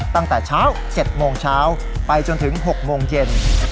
ตั้งแต่เช้า๗โมงเช้าไปจนถึง๖โมงเย็น